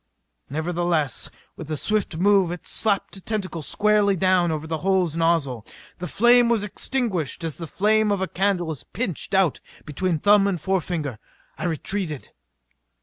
Nevertheless with a swift move it slapped a tentacle squarely down over the hose nozzle. The flame was extinguished as the flame of a candle is pinched out between thumb and forefinger. I retreated.